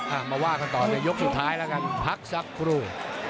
มาว่ากันต่อในยกสุดท้ายแล้วกันพักสักครู่